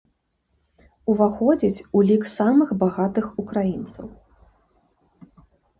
Уваходзіць у лік самых багатых украінцаў.